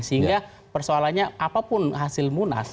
sehingga persoalannya apapun hasil munas